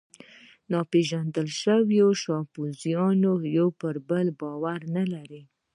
ناپېژندل شوي شامپانزیان پر یوه بل باور نهلري.